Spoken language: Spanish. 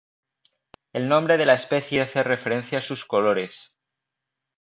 El nombre de la especie hace referencia a sus colores.